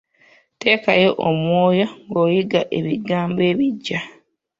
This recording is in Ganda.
Teekayo omwoyo ng’oyiga ebigambo ebiggya.